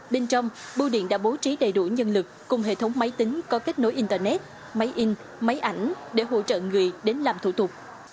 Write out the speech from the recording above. bên trong bưu điện đã bố trí đầy đủ nhân lực cùng hệ thống máy tính có kết nối internet máy in máy ảnh để hỗ trợ người đến làm thủ tục